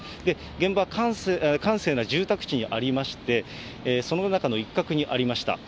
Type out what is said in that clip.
現場は閑静な住宅地にありまして、その中の一角にありました。